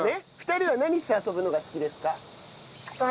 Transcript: ２人は何して遊ぶのが好きですか？